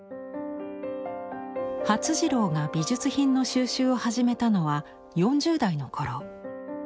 發次郎が美術品の蒐集を始めたのは４０代の頃。